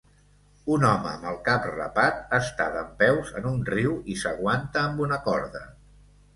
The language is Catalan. Un home amb el cap rapat està dempeus en un riu i s'aguanta amb una corda.